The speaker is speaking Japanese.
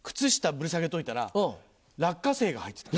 ぶら下げといたら落花生が入ってた。